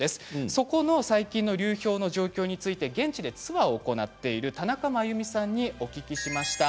そこの最近の流氷の状況について現地でツアーを行っている田中まゆみさんにお聞きしました。